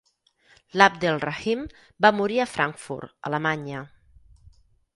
L'Abdel-Rahim va morir a Frankfurt, Alemanya.